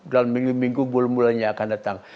dalam minggu minggu bulan bulannya akan datang